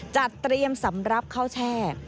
จัดเตรียมสำหรับข้าวแช่